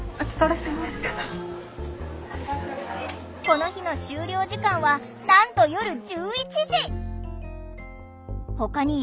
この日の終了時間はなんと夜１１時。